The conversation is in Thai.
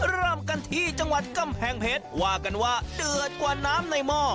เริ่มกันที่จังหวัดกำแพงเพชรว่ากันว่าเดือดกว่าน้ำในหม้อ